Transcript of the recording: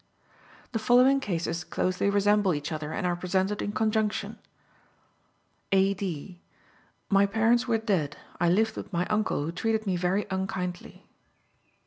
The following cases closely resemble each other, and are presented in conjunction: A. D.: "My parents were dead. I lived with my uncle, who treated me very unkindly."